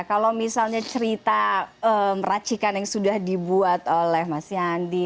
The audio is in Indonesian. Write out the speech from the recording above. kalau misalnya cerita racikan yang sudah dibuat oleh mas yandi